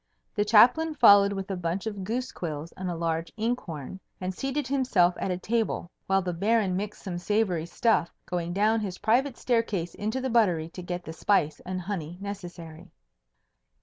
The Chaplain followed with a bunch of goose quills and a large ink horn, and seated himself at a table, while the Baron mixed some savoury stuff, going down his private staircase into the buttery to get the spice and honey necessary.